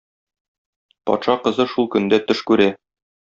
Патша кызы шул көндә төш күрә.